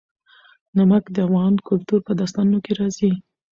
نمک د افغان کلتور په داستانونو کې راځي.